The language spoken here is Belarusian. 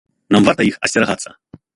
Нам варта іх асцерагацца?